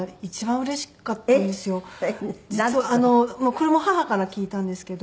これも母から聞いたんですけど。